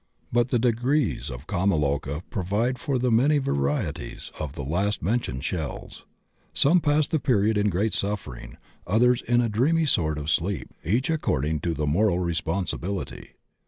But the degrees of kama loka provide for the many varieties of the last mentioned shells. Some pass the period in great suffering, others in a dreamy sort of sleep, each according to the moral responsibUity.